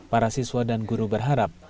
para siswa dan guru berharap